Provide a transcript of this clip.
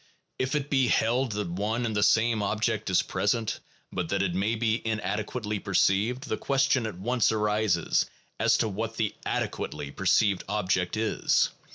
If it be held that one and the same object is present, but that it may be inadequately perceived, the question at once arises as to what the adequately perceived object is.